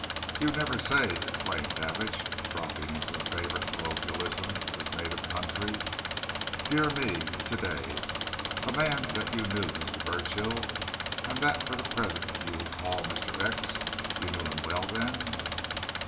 "You never say!" exclaimed Davidge, dropping into a favourite colloquialism of his native county. "Dear me, today! A man that you knew, Mr. Burchill, and that for the present you'll call Mr. X. You knew him well, then?"